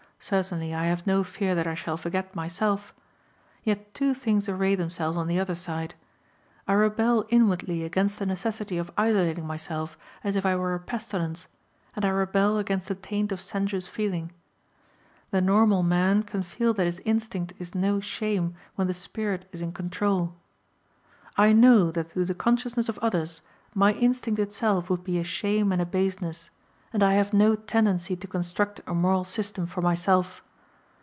Certainly I have no fear that I shall forget myself. Yet two things array themselves on the other side: I rebel inwardly against the necessity of isolating myself as if I were a pestilence, and I rebel against the taint of sensuous feeling. The normal man can feel that his instinct is no shame when the spirit is in control. I know that to the consciousness of others my instinct itself would be a shame and a baseness, and I have no tendency to construct a moral system for myself.